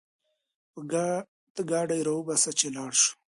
ته ګاډی راوباسه چې لاړ شو